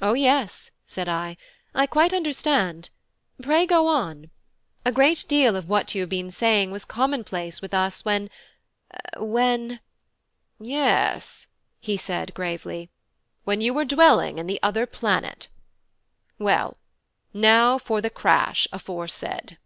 "O yes," said I, "I quite understand: pray go on; a great deal of what you have been saying was common place with us when when " "Yes," said he gravely, "when you were dwelling in the other planet. Well, now for the crash aforesaid.